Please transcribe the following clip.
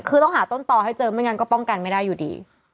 คือต้องหาต้นต่อให้เจอไม่งั้นก็ป้องกันไม่ได้อยู่ดี